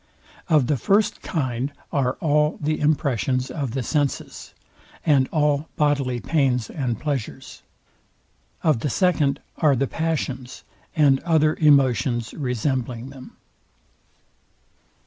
Of the first kind are all the impressions of the senses, and all bodily pains and pleasures: Of the second are the passions, and other emotions resembling them.